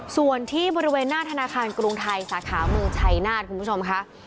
ส่วนที่บริเวณหน้าธนาคารกรุงไทยสาขาเมืองชัยนาธคุณผู้ชมค่ะ